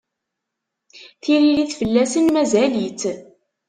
Tiririt fell-asen mazal-itt